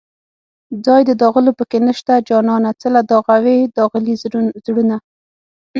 ځای د داغلو په کې نشته جانانه څله داغوې داغلي زړونه